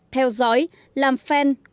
theo dõi làm fan